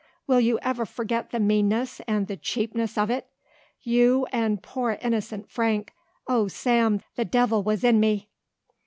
Will you ever forget the meanness and the cheapness of it? You and poor innocent Frank Oh, Sam, the devil was in me!"